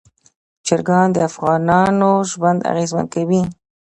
چرګان د افغانانو ژوند اغېزمن کوي.